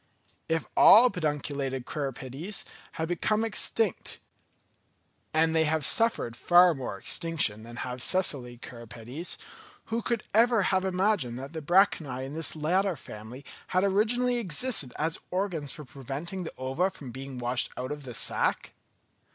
If all pedunculated cirripedes had become extinct, and they have suffered far more extinction than have sessile cirripedes, who would ever have imagined that the branchiæ in this latter family had originally existed as organs for preventing the ova from being washed out of the sack?